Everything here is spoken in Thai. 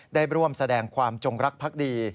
ได้ร่วมแสดงความจงรักพักดี